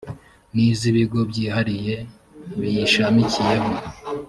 n iz ibigo byihariye biyishamikiyeho